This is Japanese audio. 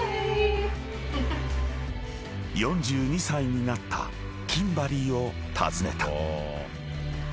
［４２歳になったキンバリーを訪ねた］